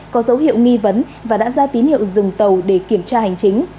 có dấu hiệu nghi vấn và đã ra tín hiệu dừng tàu để kiểm tra hành chính